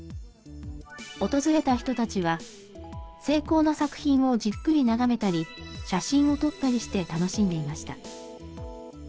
訪れた人たちは、精巧な作品をじっくり眺めたり、写真を撮ったりして楽しんでいました。